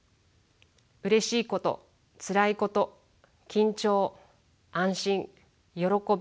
うれしいことつらいこと緊張安心喜び達成感